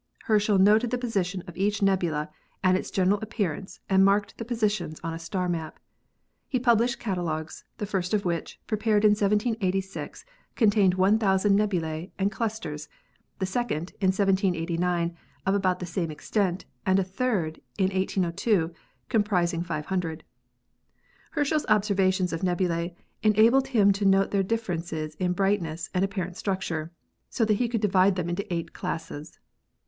Herschel noted the position of each nebula and its general appearance and marked the positions on a star map. He published catalogues, the first of which, prepared in 1786, contained 1,000 nebulae and clusters, the second in 1789, of about the same extent, and a third in 1802, comprizing 500. Herschel's observations of nebulae enabled him to note their differences in bright ness and apparent structure so that he could divide them into eight classes.